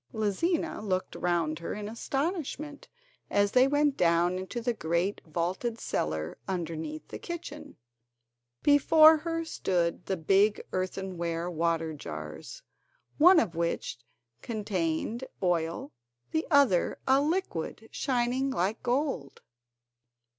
Lizina looked round her in astonishment as they went down into the great vaulted cellar underneath the kitchen. Before her stood the big earthenware water jars, one of which contained oil, the other a liquid shining like gold.